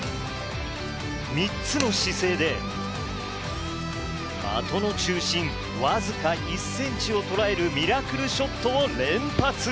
３つの姿勢で、的の中心僅か１ｃｍを捉えるミラクルショットを連発。